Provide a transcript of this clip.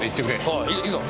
おう行くぞ。